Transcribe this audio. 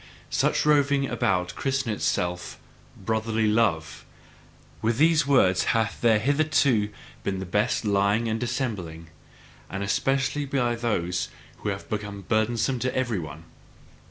Such roving about christeneth itself "brotherly love"; with these words hath there hitherto been the best lying and dissembling, and especially by those who have been burdensome to every one.